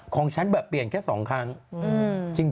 ของฉันเปลี่ยนแค่สองครั้ง